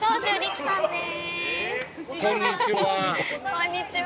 ◆こんにちは。